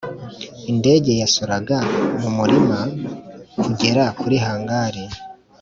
indege yasoraga mu murima kugera kuri hangari.